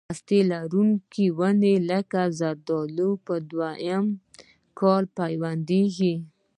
هسته لرونکي ونې لکه زردالو په دوه یم کال پیوند کېږي.